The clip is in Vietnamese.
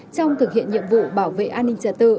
trong thực hiện nhiệm vụ bảo vệ an ninh trật tự